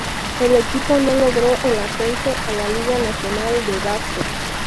El equipo no logró el ascenso a la Liga Nacional de Básquet.